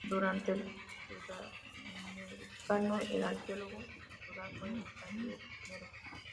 Durante el Sudamericano, el arquero titular fue Darío Melo.